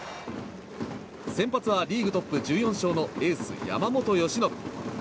先発はリーグトップ１４勝のエース、山本由伸。